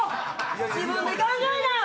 自分で考えな！